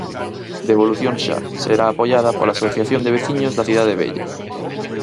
Devolución xa, será apoiada pola asociación de veciños da cidade vella.